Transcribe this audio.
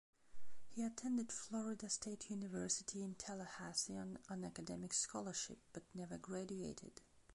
He attended Florida State University in Tallahassee on an academic scholarship, but never graduated.